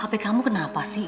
handphone kamu kenapa sih